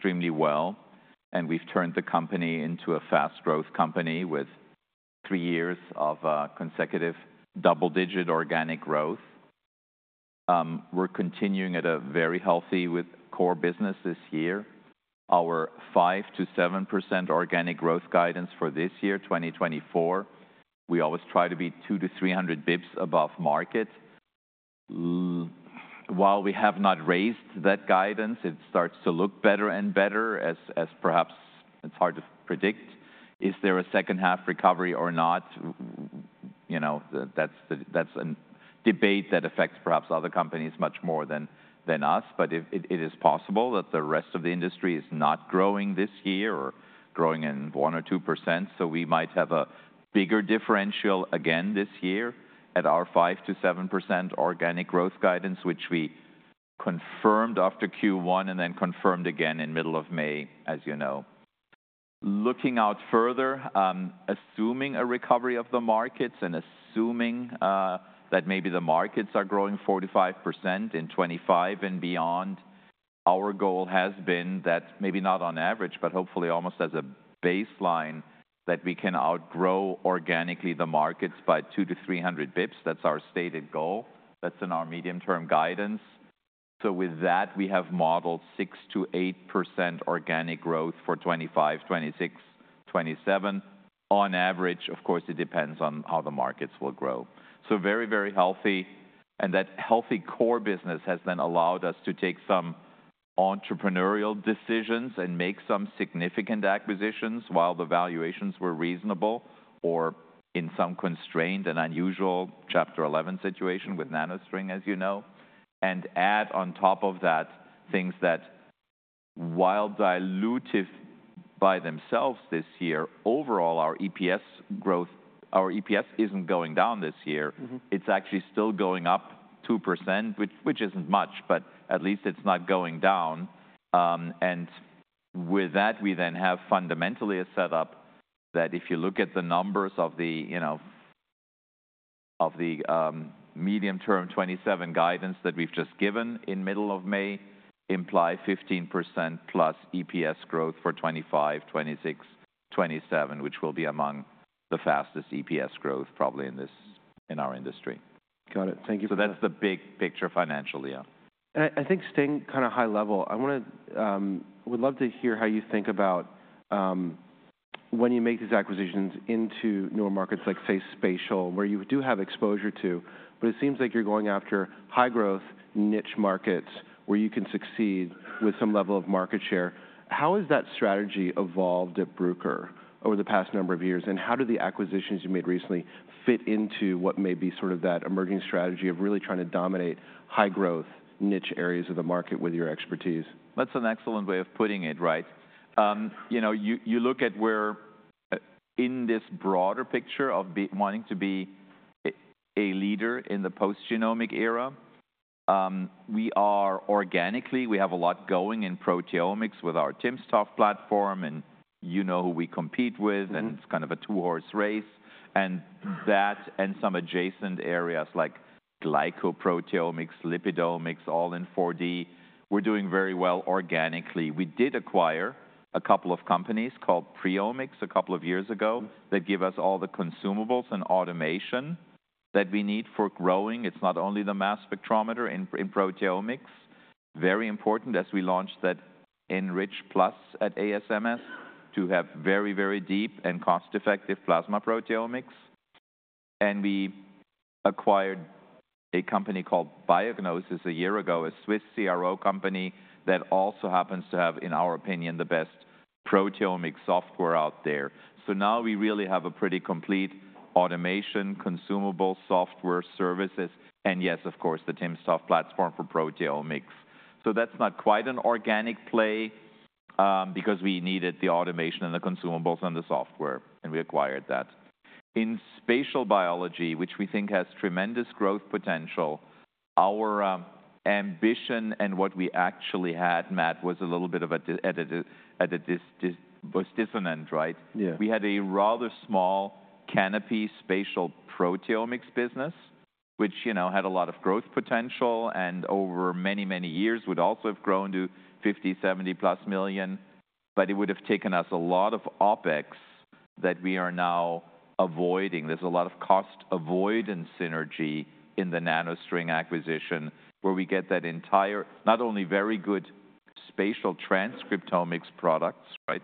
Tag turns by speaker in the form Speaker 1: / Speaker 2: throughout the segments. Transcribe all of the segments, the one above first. Speaker 1: Extremely well, and we've turned the company into a fast-growth company with three years of consecutive double-digit organic growth. We're continuing at a very healthy core business this year. Our 5%-7% organic growth guidance for this year, 2024, we always try to be 200 basis points-300 basis points above market. While we have not raised that guidance, it starts to look better and better, as perhaps it's hard to predict is there a second-half recovery or not? That's a debate that affects perhaps other companies much more than us, but it is possible that the rest of the industry is not growing this year or growing in 1% or 2%, so we might have a bigger differential again this year at our 5%-7% organic growth guidance, which we confirmed after Q1 and then confirmed again in the middle of May, as you know. Looking out further, assuming a recovery of the markets and assuming that maybe the markets are growing 4%-5% in 2025 and beyond, our goal has been that maybe not on average, but hopefully almost as a baseline, that we can outgrow organically the markets by 200 basis points-300 basis points. That's our stated goal. That's in our medium-term guidance. So with that, we have modeled 6%-8% organic growth for 2025, 2026, 2027. On average, of course, it depends on how the markets will grow. Very, very healthy. That healthy core business has then allowed us to take some entrepreneurial decisions and make some significant acquisitions while the valuations were reasonable or in some constrained and unusual Chapter 11 situation with NanoString, as you know, and add on top of that things that, while dilutive by themselves this year, overall our EPS growth, our EPS isn't going down this year. It's actually still going up 2%, which isn't much, but at least it's not going down. And with that, we then have fundamentally a setup that if you look at the numbers of the medium-term 2027 guidance that we've just given in the middle of May, imply 15%+ EPS growth for 2025, 2026, 2027, which will be among the fastest EPS growth probably in our industry.
Speaker 2: Got it. Thank you.
Speaker 1: So that's the big picture financially, yeah.
Speaker 2: I think staying kind of high level, I would love to hear how you think about when you make these acquisitions into newer markets like spatial, where you do have exposure to, but it seems like you're going after high-growth niche markets where you can succeed with some level of market share. How has that strategy evolved at Bruker over the past number of years, and how do the acquisitions you made recently fit into what may be sort of that emerging strategy of really trying to dominate high-growth niche areas of the market with your expertise?
Speaker 1: That's an excellent way of putting it, right? You look at where in this broader picture of wanting to be a leader in the post-genomic era, we are organically, we have a lot going in proteomics with our timsTOF platform, and you know who we compete with, and it's kind of a two-horse race. And that and some adjacent areas like glycoproteomics, lipidomics, all in 4D, we're doing very well organically. We did acquire a couple of companies called PreOmics a couple of years ago that give us all the consumables and automation that we need for growing. It's not only the mass spectrometer in proteomics. Very important as we launched that ENRICHplus at ASMS to have very, very deep and cost-effective plasma proteomics. We acquired a company called Biognosys a year ago, a Swiss CRO company that also happens to have, in our opinion, the best proteomic software out there. So now we really have a pretty complete automation, consumable software services, and yes, of course, the timsTOF platform for proteomics. So that's not quite an organic play because we needed the automation and the consumables and the software, and we acquired that. In spatial biology, which we think has tremendous growth potential, our ambition and what we actually had, Matt, was a little bit of a dissonance, right?
Speaker 2: Yeah.
Speaker 1: We had a rather small Canopy spatial proteomics business, which had a lot of growth potential and over many, many years would also have grown to $50 million-$70+ million, but it would have taken us a lot of OpEx that we are now avoiding. There's a lot of cost avoidance synergy in the NanoString acquisition where we get that entire, not only very good spatial transcriptomics products, right,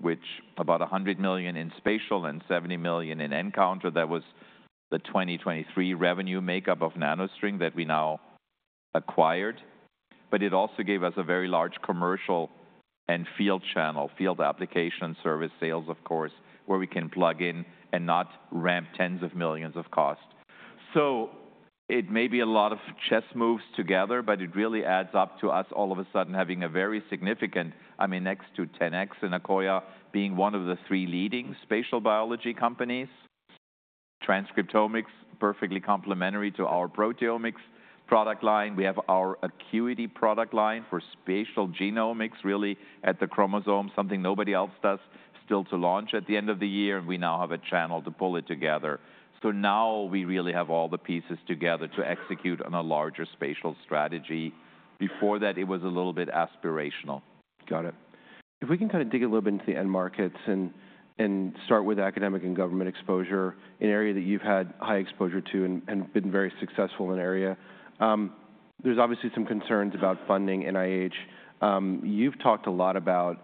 Speaker 1: which about $100 million in spatial and $70 million in nCounter. That was the 2023 revenue makeup of NanoString that we now acquired. But it also gave us a very large commercial and field channel, field application service sales, of course, where we can plug in and not ramp tens of millions of cost. So it may be a lot of chess moves together, but it really adds up to us all of a sudden having a very significant, I mean, next to 10x and Akoya being one of the three leading spatial biology companies. Transcriptomics, perfectly complementary to our proteomics product line. We have our Acuity product line for spatial genomics, really at the chromosome, something nobody else does still to launch at the end of the year, and we now have a channel to pull it together. So now we really have all the pieces together to execute on a larger spatial strategy. Before that, it was a little bit aspirational.
Speaker 2: Got it. If we can kind of dig a little bit into the end markets and start with academic and government exposure, an area that you've had high exposure to and been very successful in an area, there's obviously some concerns about funding NIH. You've talked a lot about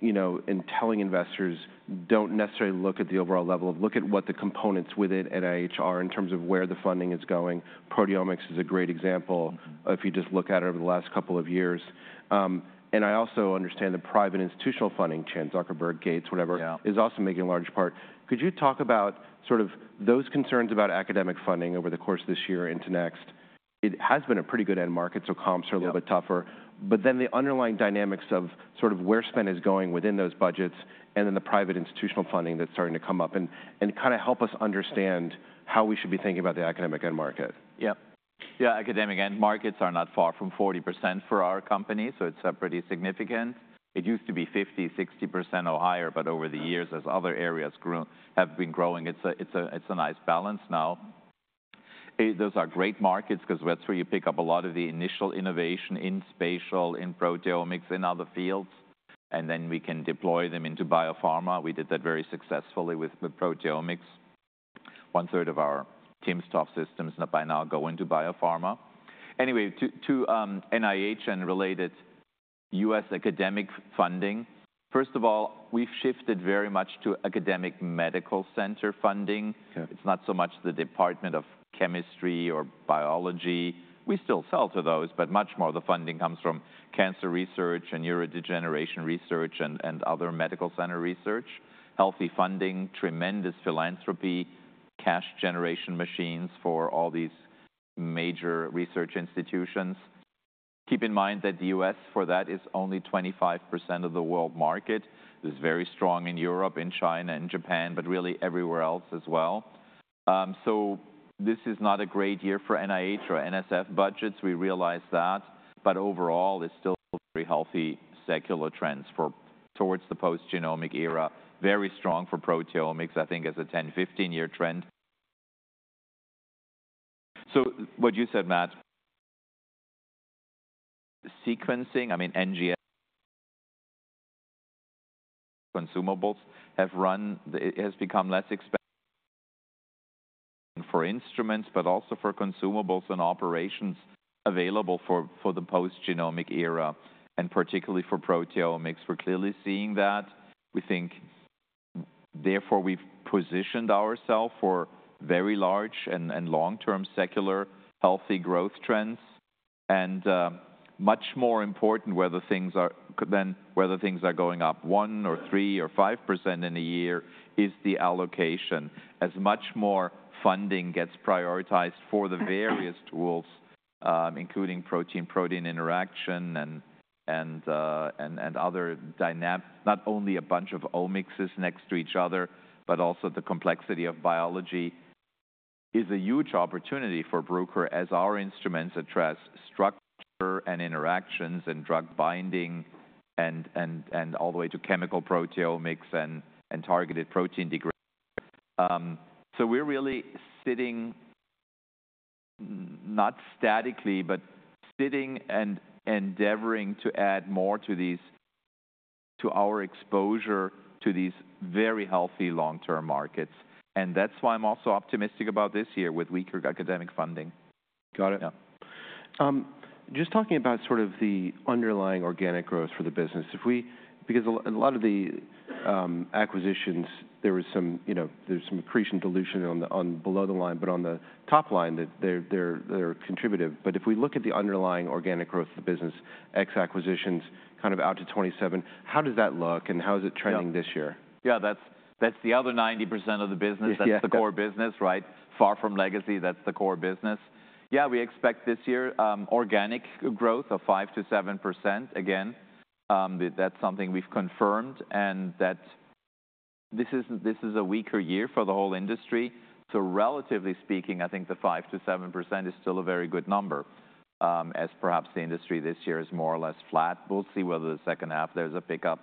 Speaker 2: and telling investors don't necessarily look at the overall level of look at what the components within NIH are in terms of where the funding is going. Proteomics is a great example if you just look at it over the last couple of years. I also understand the private institutional funding, Chan Zuckerberg, Gates, whatever, is also making a large part. Could you talk about sort of those concerns about academic funding over the course of this year into next? It has been a pretty good end market, so comps are a little bit tougher, but then the underlying dynamics of sort of where spend is going within those budgets and then the private institutional funding that's starting to come up and kind of help us understand how we should be thinking about the academic end market.
Speaker 1: Yeah. Yeah, academic end markets are not far from 40% for our company, so it's pretty significant. It used to be 50%, 60% or higher, but over the years, as other areas have been growing, it's a nice balance now. Those are great markets because that's where you pick up a lot of the initial innovation in spatial, in proteomics, in other fields, and then we can deploy them into biopharma. We did that very successfully with proteomics. One-third of our timsTOF systems by now go into biopharma. Anyway, to NIH and related U.S. academic funding, first of all, we've shifted very much to academic medical center funding. It's not so much the Department of Chemistry or Biology. We still sell to those, but much more of the funding comes from cancer research and neurodegeneration research and other medical center research. Healthy funding, tremendous philanthropy, cash generation machines for all these major research institutions. Keep in mind that the U.S. for that is only 25% of the world market. It's very strong in Europe, in China, in Japan, but really everywhere else as well. So this is not a great year for NIH or NSF budgets. We realize that, but overall, it's still very healthy secular trends towards the post-genomic era. Very strong for proteomics, I think, as a 10-year to 15-year trend. What you said, Matt, sequencing, I mean, NGS consumables have run. It has become less expensive for instruments, but also for consumables and operations available for the post-genomic era and particularly for proteomics. We're clearly seeing that. We think therefore we've positioned ourselves for very large and long-term secular healthy growth trends. Much more important than whether things are going up 1%, 3%, or 5% in a year is the allocation. As much more funding gets prioritized for the various tools, including protein-protein interaction and other dynamics, not only a bunch of omicses next to each other, but also the complexity of biology is a huge opportunity for Bruker as our instruments address structure and interactions and drug binding and all the way to chemical proteomics and targeted protein degradation. So we're really sitting not statically, but sitting and endeavoring to add more to our exposure to these very healthy long-term markets. And that's why I'm also optimistic about this year with weaker academic funding.
Speaker 2: Got it. Just talking about sort of the underlying organic growth for the business, because a lot of the acquisitions, there's some accretion dilution below the line, but on the top line, they're contributive. But if we look at the underlying organic growth of the business, ex acquisitions kind of out to 2027, how does that look and how is it trending this year?
Speaker 1: Yeah, that's the other 90% of the business. That's the core business, right? Far from legacy, that's the core business. Yeah, we expect this year organic growth of 5%-7% again. That's something we've confirmed and that this is a weaker year for the whole industry. So relatively speaking, I think the 5%-7% is still a very good number as perhaps the industry this year is more or less flat. We'll see whether the second half there's a pickup.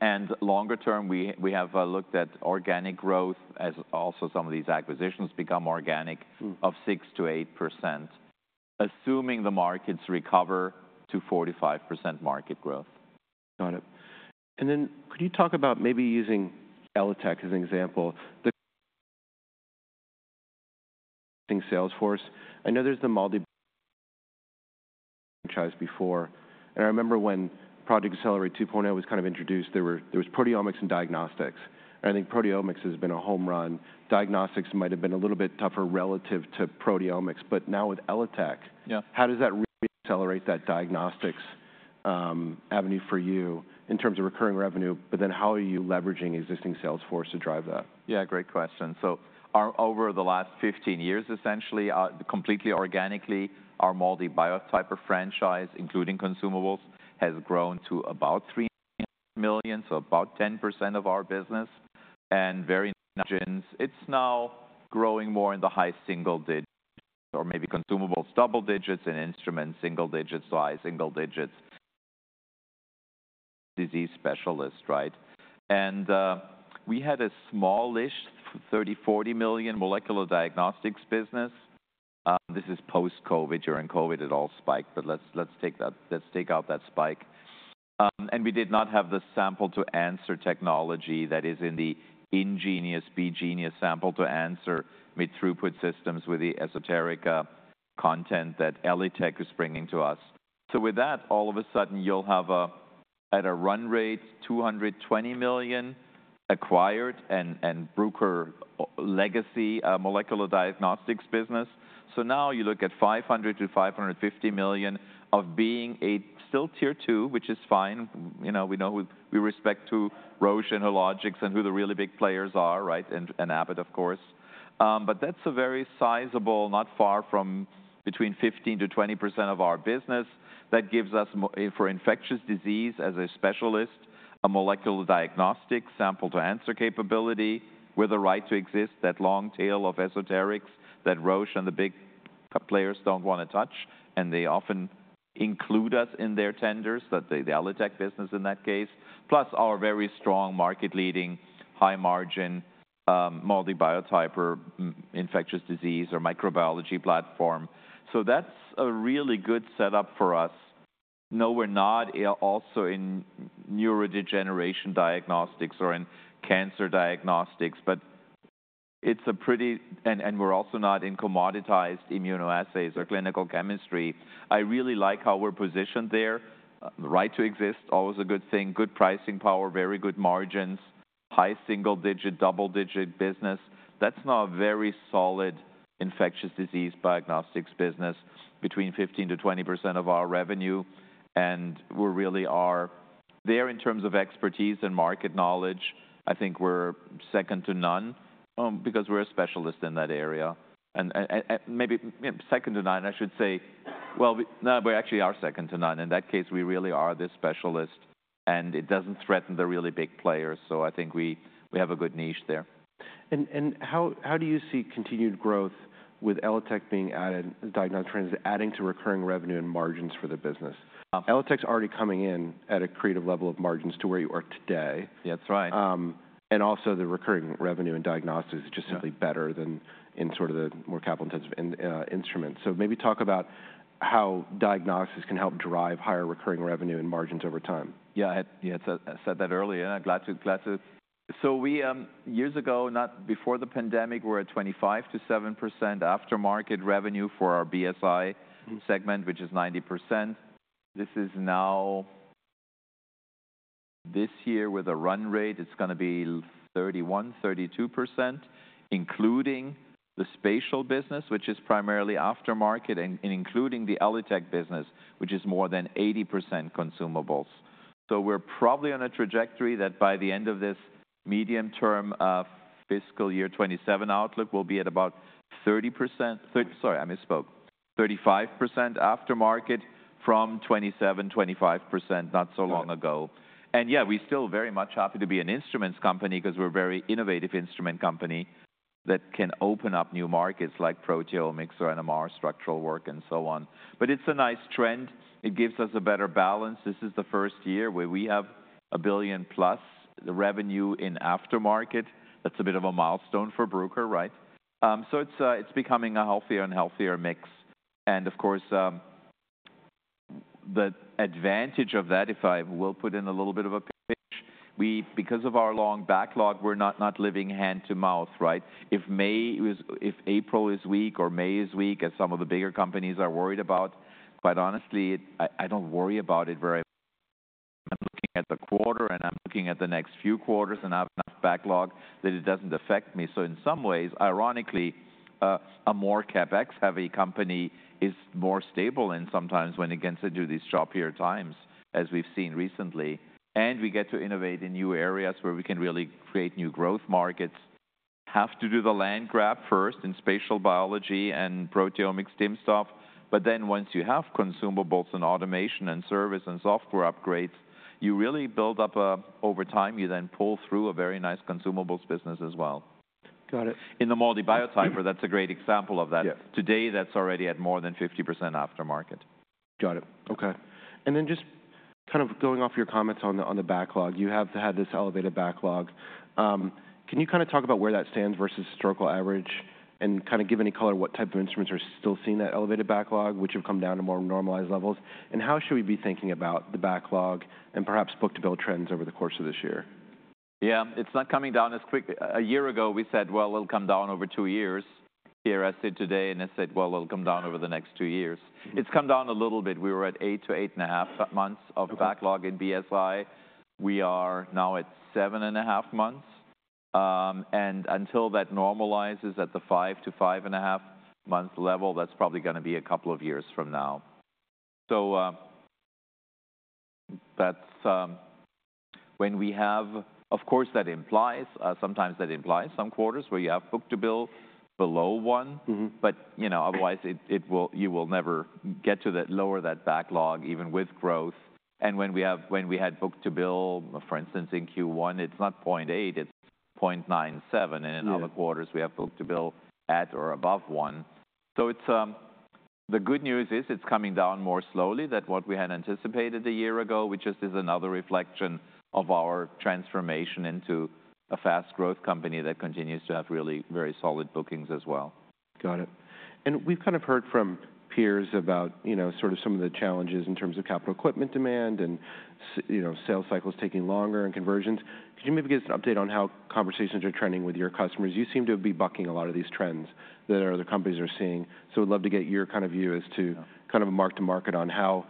Speaker 1: And longer term, we have looked at organic growth as also some of these acquisitions become organic of 6%-8%, assuming the markets recover to 45% market growth.
Speaker 2: Got it. And then could you talk about maybe using ELITech as an example, sales force? I know there's the MALDI Biotyper before. And I remember when Project Accelerate 2.0 was kind of introduced, there was proteomics and diagnostics. And I think proteomics has been a home run. Diagnostics might have been a little bit tougher relative to proteomics, but now with ELITech, how does that really accelerate that diagnostics avenue for you in terms of recurring revenue, but then how are you leveraging existing sales force to drive that?
Speaker 1: Yeah, great question. So over the last 15 years, essentially, completely organically, our MALDI Biotyper franchise, including consumables, has grown to about $3 million, so about 10% of our business. And very it's now growing more in the high single digits or maybe consumables double digits and instruments single digits, high single digits, disease specialist, right? And we had a smallish $30 million-$40 million molecular diagnostics business. This is post-COVID. During COVID, it all spiked, but let's take out that spike. And we did not have the sample-to-answer technology that is in the InGenius, BeGenius sample-to-answer mid-throughput systems with the esoteric content that ELITechGroup is bringing to us. So with that, all of a sudden, you'll have at a run rate $220 million acquired and Bruker legacy molecular diagnostics business. So now you look at $500 million-$550 million of being a still Tier 2, which is fine. We know we respect to Roche and Hologic and who the really big players are, right, and Abbott, of course. But that's a very sizable, not far from between 15%-20% of our business. That gives us for infectious disease as a specialist, a molecular diagnostic sample-to-answer capability with a right to exist, that long tail of esoterics that Roche and the big players don't want to touch. And they often include us in their tenders, the ELITech business in that case, plus our very strong market-leading high-margin MALDI Biotyper or infectious disease or microbiology platform. So that's a really good setup for us. No, we're not also in neurodegeneration diagnostics or in cancer diagnostics, but it's a pretty, and we're also not in commoditized immunoassays or clinical chemistry. I really like how we're positioned there. Right to exist, always a good thing. Good pricing power, very good margins, high single-digit, double-digit business. That's not a very solid infectious disease diagnostics business, between 15%-20% of our revenue. We really are there in terms of expertise and market knowledge. I think we're second to none because we're a specialist in that area. Maybe second to none, I should say, well, no, we actually are second to none. In that case, we really are this specialist, and it doesn't threaten the really big players. So I think we have a good niche there.
Speaker 2: How do you see continued growth with ELITech being added, diagnostic trends adding to recurring revenue and margins for the business? ELITech's already coming in at a creative level of margins to where you are today.
Speaker 1: That's right.
Speaker 2: And also the recurring revenue and diagnostics is just simply better than in sort of the more capital-intensive instruments. So maybe talk about how diagnostics can help drive higher recurring revenue and margins over time.
Speaker 1: Yeah, I said that earlier. I'm glad to. So years ago, not before the pandemic, we were at 25%-27% aftermarket revenue for our BSI segment, which is 90%. This is now this year with a run rate, it's going to be 31%-32%, including the spatial business, which is primarily aftermarket and including the ELITech business, which is more than 80% consumables. So we're probably on a trajectory that by the end of this medium-term fiscal year 2027 outlook, we'll be at about 30%. Sorry, I misspoke. 35% aftermarket from 27%, 25% not so long ago. And yeah, we still very much happy to be an instruments company because we're a very innovative instrument company that can open up new markets like proteomics or NMR structural work and so on. But it's a nice trend. It gives us a better balance. This is the first year where we have $1 billion+ revenue in aftermarket. That's a bit of a milestone for Bruker, right? So it's becoming a healthier and healthier mix. And of course, the advantage of that, if I will put in a little bit of a pitch, because of our long backlog, we're not living hand to mouth, right? If April is weak or May is weak, as some of the bigger companies are worried about, quite honestly, I don't worry about it very much. I'm looking at the quarter and I'm looking at the next few quarters and I have enough backlog that it doesn't affect me. So in some ways, ironically, a more CapEx-heavy company is more stable and sometimes when it gets into these choppier times as we've seen recently. We get to innovate in new areas where we can really create new growth markets. Have to do the land grab first in spatial biology and proteomics, timsTOF, but then once you have consumables and automation and service and software upgrades, you really build up over time, you then pull through a very nice consumables business as well.
Speaker 2: Got it.
Speaker 1: In the MALDI Biotyper, that's a great example of that. Today, that's already at more than 50% aftermarket.
Speaker 2: Got it. Okay. And then just kind of going off your comments on the backlog, you have had this elevated backlog. Can you kind of talk about where that stands versus historical average and kind of give any color what type of instruments are still seeing that elevated backlog, which have come down to more normalized levels? And how should we be thinking about the backlog and perhaps book-to-bill trends over the course of this year?
Speaker 1: Yeah, it's not coming down as quick. A year ago, we said, well, it'll come down over two years. Here, I said today and I said, well, it'll come down over the next two years. It's come down a little bit. We were at eight to eight and a half months of backlog in BSI. We are now at seven and a half months. And until that normalizes at the five to five-and-a-half-month level, that's probably going to be a couple of years from now. So that's when we have, of course, that implies sometimes that implies some quarters where you have book-to-bill below one, but otherwise, you will never get to that lower that backlog even with growth. And when we had book-to-bill, for instance, in Q1, it's not 0.8, it's 0.97. And in other quarters, we have book-to-bill at or above one. The good news is it's coming down more slowly than what we had anticipated a year ago, which just is another reflection of our transformation into a fast-growth company that continues to have really very solid bookings as well.
Speaker 2: Got it. And we've kind of heard from peers about sort of some of the challenges in terms of capital equipment demand and sales cycles taking longer and conversions. Could you maybe give us an update on how conversations are trending with your customers? You seem to be bucking a lot of these trends that other companies are seeing. So we'd love to get your kind of view as to kind of a mark-to-market on how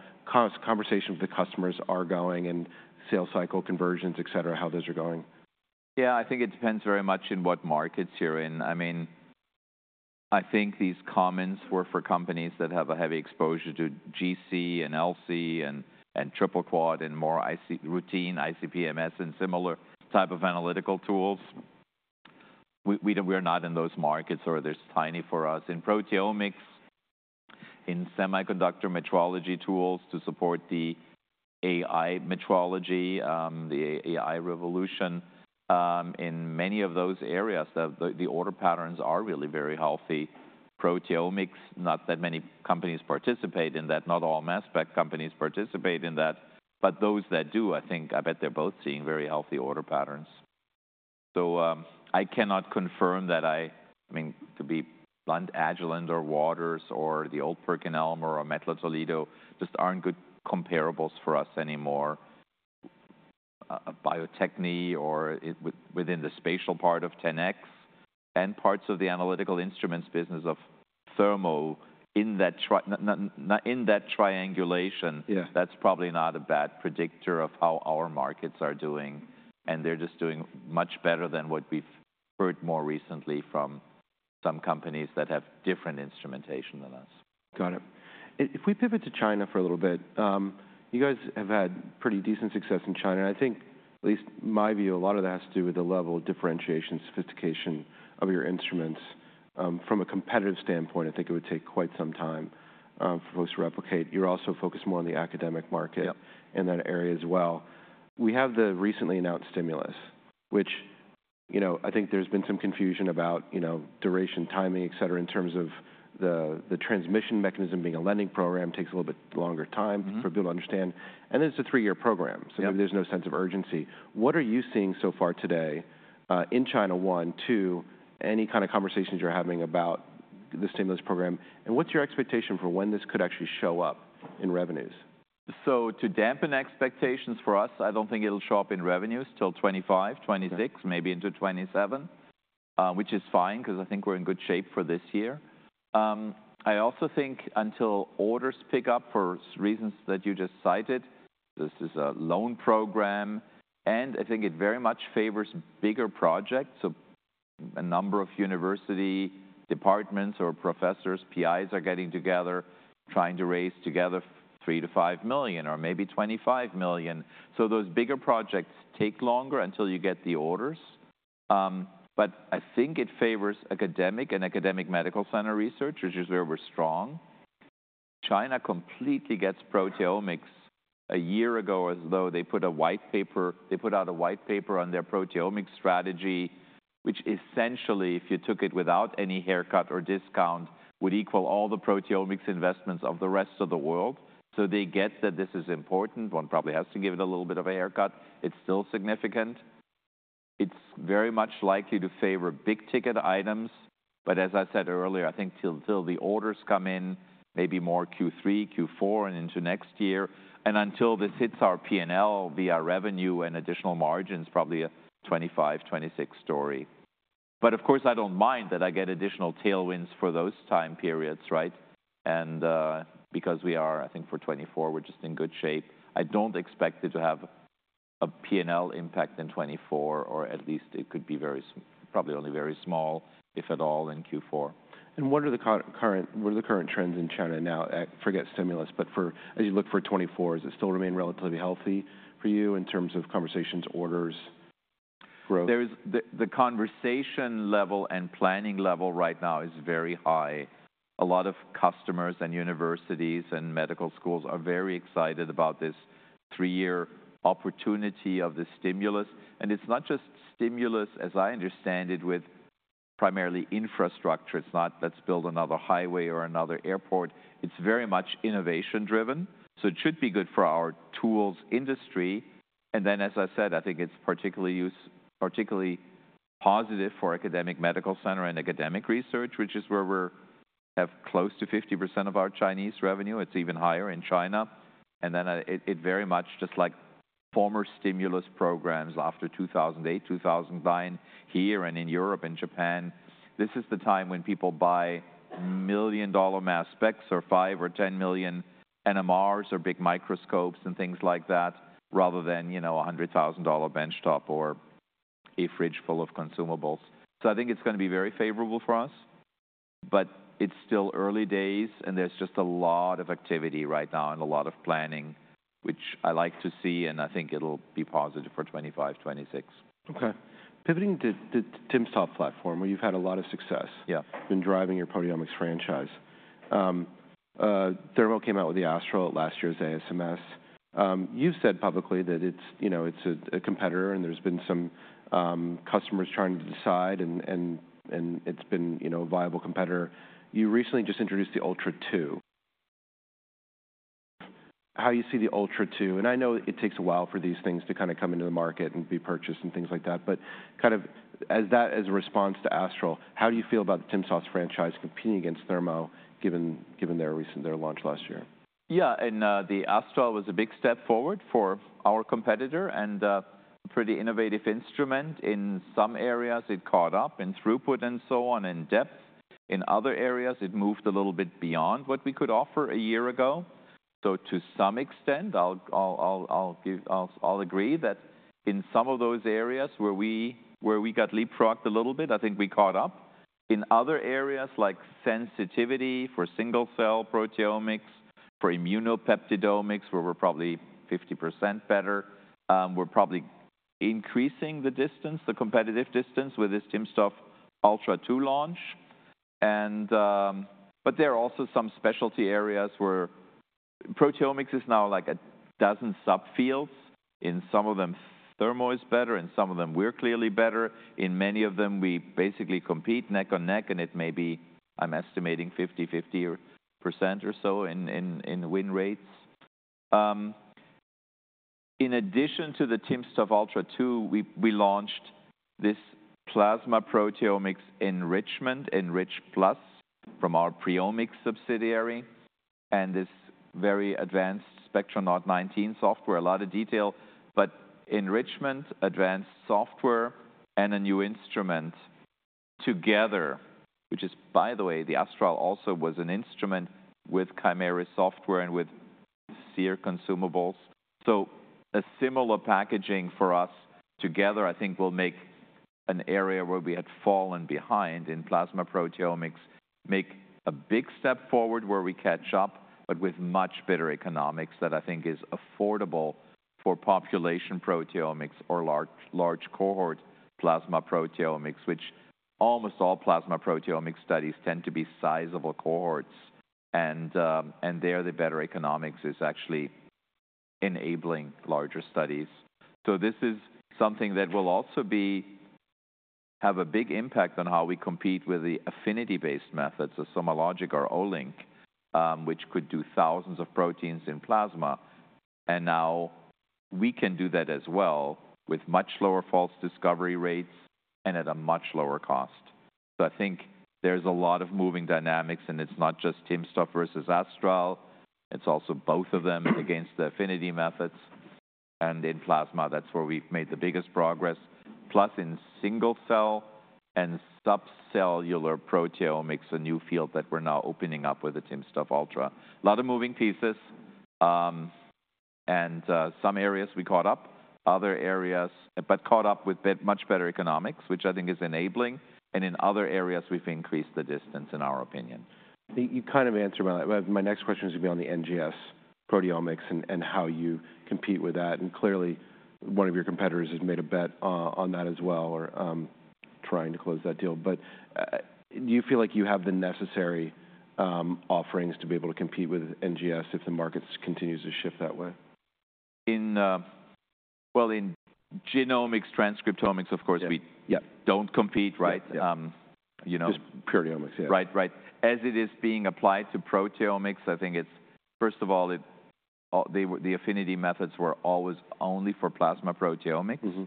Speaker 2: conversations with the customers are going and sales cycle conversions, etc., how those are going?
Speaker 1: Yeah, I think it depends very much in what markets you're in. I mean, I think these comments were for companies that have a heavy exposure to GC and LC and triple quad and more routine ICP-MS and similar type of analytical tools. We are not in those markets or there's tiny for us. In proteomics, in semiconductor metrology tools to support the AI metrology, the AI revolution, in many of those areas, the order patterns are really very healthy. Proteomics, not that many companies participate in that. Not all mass spec companies participate in that, but those that do, I think I bet they're both seeing very healthy order patterns. So I cannot confirm that I mean, to be blunt, Agilent or Waters or the old PerkinElmer or Mettler Toledo just aren't good comparables for us anymore. Bio-Techne or within the spatial part of 10x and parts of the analytical instruments business of Thermo in that triangulation, that's probably not a bad predictor of how our markets are doing. And they're just doing much better than what we've heard more recently from some companies that have different instrumentation than us.
Speaker 2: Got it. If we pivot to China for a little bit, you guys have had pretty decent success in China. And I think, at least my view, a lot of that has to do with the level of differentiation and sophistication of your instruments. From a competitive standpoint, I think it would take quite some time for folks to replicate. You're also focused more on the academic market in that area as well. We have the recently announced stimulus, which I think there's been some confusion about duration, timing, etc., in terms of the transmission mechanism being a lending program, takes a little bit longer time for people to understand. And it's a three-year program, so maybe there's no sense of urgency. What are you seeing so far today in China? One. Two, any kind of conversations you're having about the stimulus program? What's your expectation for when this could actually show up in revenues?
Speaker 1: So to dampen expectations for us, I don't think it'll show up in revenues till 2025, 2026, maybe into 2027, which is fine because I think we're in good shape for this year. I also think until orders pick up for reasons that you just cited, this is a loan program, and I think it very much favors bigger projects. So a number of university departments or professors, PIs are getting together, trying to raise together $3 million-$5 million or maybe $25 million. So those bigger projects take longer until you get the orders. But I think it favors academic and academic medical center research, which is where we're strong. China completely gets proteomics a year ago as though they put a white paper, they put out a white paper on their proteomics strategy, which essentially, if you took it without any haircut or discount, would equal all the proteomics investments of the rest of the world. So they get that this is important. One probably has to give it a little bit of a haircut. It's still significant. It's very much likely to favor big ticket items. But as I said earlier, I think till the orders come in, maybe more Q3, Q4, and into next year. And until this hits our P&L, via revenue and additional margins, probably a 2025, 2026 story. But of course, I don't mind that I get additional tailwinds for those time periods, right? And because we are, I think for 2024, we're just in good shape. I don't expect it to have a P&L impact in 2024, or at least it could be very, probably only very small, if at all, in Q4.
Speaker 2: What are the current trends in China now? I forget stimulus, but as you look for 2024, does it still remain relatively healthy for you in terms of conversations, orders, growth?
Speaker 1: The conversation level and planning level right now is very high. A lot of customers and universities and medical schools are very excited about this three-year opportunity of the stimulus. It's not just stimulus, as I understand it, with primarily infrastructure. It's not, let's build another highway or another airport. It's very much innovation-driven. So it should be good for our tools industry. And then, as I said, I think it's particularly positive for academic medical center and academic research, which is where we have close to 50% of our Chinese revenue. It's even higher in China. And then it very much just like former stimulus programs after 2008, 2009 here and in Europe and Japan. This is the time when people buy $1 million mass specs or $5 million or $10 million NMRs or big microscopes and things like that, rather than a $100,000 benchtop or a fridge full of consumables. So I think it's going to be very favorable for us, but it's still early days and there's just a lot of activity right now and a lot of planning, which I like to see, and I think it'll be positive for 2025, 2026.
Speaker 2: Okay. Pivoting to timsTOF platform, where you've had a lot of success in driving your proteomics franchise. Thermo came out with the Astral at last year's ASMS. You've said publicly that it's a competitor and there's been some customers trying to decide and it's been a viable competitor. You recently just introduced the Ultra 2. How do you see the Ultra 2? And I know it takes a while for these things to kind of come into the market and be purchased and things like that, but kind of as that as a response to Astral, how do you feel about the timsTOF franchise competing against Thermo, given their launch last year?
Speaker 1: Yeah, and the Astral was a big step forward for our competitor and a pretty innovative instrument. In some areas, it caught up in throughput and so on, in depth. In other areas, it moved a little bit beyond what we could offer a year ago. So to some extent, I'll agree that in some of those areas where we got leapfrogged a little bit, I think we caught up. In other areas like sensitivity for single-cell proteomics, for immunopeptidomics, where we're probably 50% better, we're probably increasing the distance, the competitive distance with this timsTOF Ultra 2 launch. But there are also some specialty areas where proteomics is now like a dozen subfields. In some of them, Thermo is better. In some of them, we're clearly better. In many of them, we basically compete neck and neck, and it may be, I'm estimating, 50-50% or so in win rates. In addition to the timsTOF Ultra 2, we launched this plasma proteomics enrichment, ENRICHplus, from our PreOmics subsidiary, and this very advanced Spectronaut 19 software, a lot of detail, but enrichment, advanced software, and a new instrument together, which is, by the way, the Orbitrap Astral also was an instrument with CHIMERYS software and with Seer consumables. So a similar packaging for us together, I think, will make an area where we had fallen behind in plasma proteomics, make a big step forward where we catch up, but with much better economics that I think is affordable for population proteomics or large cohort plasma proteomics, which almost all plasma proteomics studies tend to be sizable cohorts. And there the better economics is actually enabling larger studies. So this is something that will also have a big impact on how we compete with the affinity-based methods, the SomaLogic or Olink, which could do thousands of proteins in plasma. And now we can do that as well with much lower false discovery rates and at a much lower cost. So I think there's a lot of moving dynamics, and it's not just timsTOF versus Astral. It's also both of them against the affinity methods. And in plasma, that's where we've made the biggest progress. Plus, in single-cell and subcellular proteomics, a new field that we're now opening up with the timsTOF Ultra. A lot of moving pieces. And some areas we caught up, other areas, but caught up with much better economics, which I think is enabling. And in other areas, we've increased the distance, in our opinion.
Speaker 2: You kind of answered my next question, which is going to be on the NGS proteomics and how you compete with that. Clearly, one of your competitors has made a bet on that as well, or trying to close that deal. But do you feel like you have the necessary offerings to be able to compete with NGS if the markets continue to shift that way?
Speaker 1: Well, in genomics, transcriptomics, of course, we don't compete, right?
Speaker 2: Just proteomics, yeah.
Speaker 1: Right, right. As it is being applied to proteomics, I think it's, first of all, the affinity methods were always only for plasma proteomics.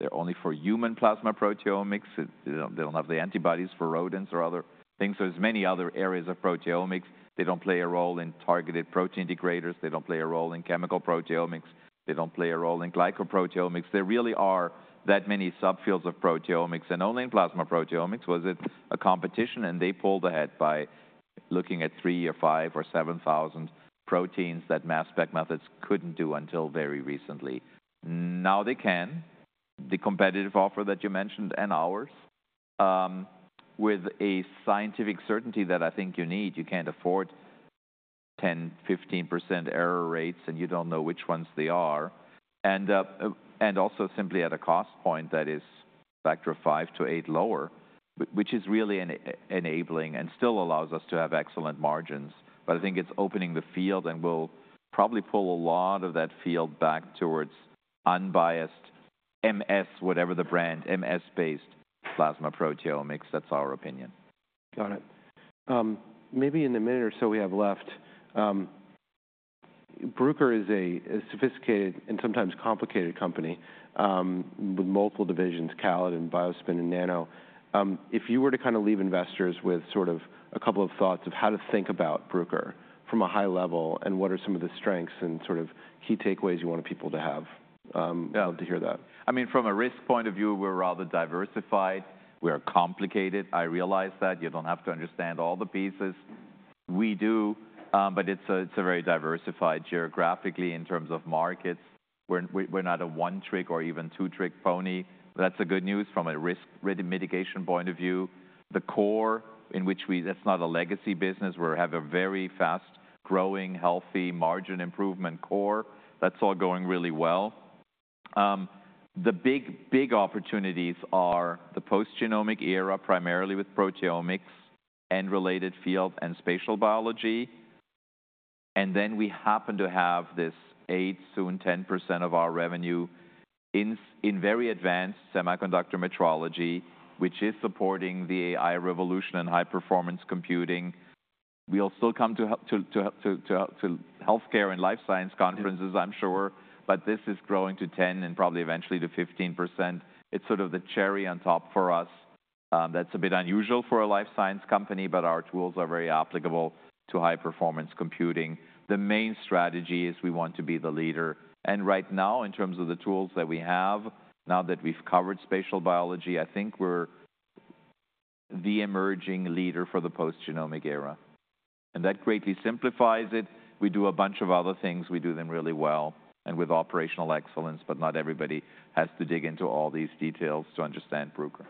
Speaker 1: They're only for human plasma proteomics. They don't have the antibodies for rodents or other things. There's many other areas of proteomics. They don't play a role in targeted protein degraders. They don't play a role in chemical proteomics. They don't play a role in glycoproteomics. There really are that many subfields of proteomics, and only in plasma proteomics was it a competition, and they pulled ahead by looking at 3,000 or 5,000 or 7,000 proteins that mass spec methods couldn't do until very recently. Now they can. The competitive offer that you mentioned and ours, with a scientific certainty that I think you need. You can't afford 10%, 15% error rates, and you don't know which ones they are. And also simply at a cost point that is a factor five to eight lower, which is really enabling and still allows us to have excellent margins. But I think it's opening the field and will probably pull a lot of that field back towards unbiased MS, whatever the brand, MS-based plasma proteomics. That's our opinion.
Speaker 2: Got it. Maybe in the minute or so we have left, Bruker is a sophisticated and sometimes complicated company with multiple divisions, CALID and BioSpin and NANO. If you were to kind of leave investors with sort of a couple of thoughts of how to think about Bruker from a high level, and what are some of the strengths and sort of key takeaways you want people to have to hear that?
Speaker 1: I mean, from a risk point of view, we're rather diversified. We're complicated. I realize that. You don't have to understand all the pieces we do, but it's a very diversified geographically in terms of markets. We're not a one-trick or even two-trick pony. That's the good news from a risk mitigation point of view. The core in which we, that's not a legacy business. We have a very fast-growing, healthy margin improvement core. That's all going really well. The big opportunities are the post-genomic era, primarily with proteomics and related field and spatial biology. And then we happen to have this 8%, soon 10% of our revenue in very advanced semiconductor metrology, which is supporting the AI revolution and high-performance computing. We'll still come to healthcare and life science conferences, I'm sure, but this is growing to 10% and probably eventually to 15%. It's sort of the cherry on top for us. That's a bit unusual for a life science company, but our tools are very applicable to high-performance computing. The main strategy is we want to be the leader. Right now, in terms of the tools that we have, now that we've covered spatial biology, I think we're the emerging leader for the post-genomic era. That greatly simplifies it. We do a bunch of other things. We do them really well and with operational excellence, but not everybody has to dig into all these details to understand Bruker.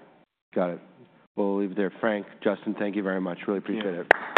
Speaker 2: Got it. We'll leave it there. Frank, Justin, thank you very much. Really appreciate it.